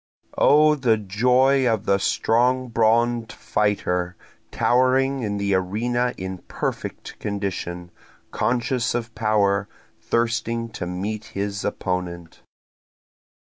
O the joy of the strong brawn'd fighter, towering in the arena in perfect condition, conscious of power, thirsting to meet his opponent.